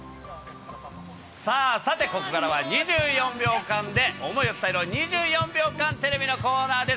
さあ、さて、ここからは２４秒間で想いを伝えろ、２４秒間テレビのコーナーです。